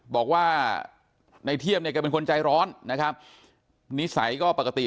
บอกว่าในเทียมเนี่ยแกเป็นคนใจร้อนนะครับนิสัยก็ปกติ